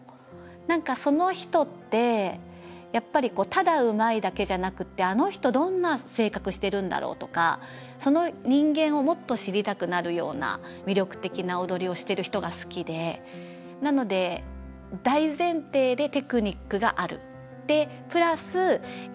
何かその人ってやっぱりただうまいだけじゃなくてあの人どんな性格してるんだろうとかその人間をもっと知りたくなるような魅力的な踊りをしてる人が好きでなので大前提でテクニックがある。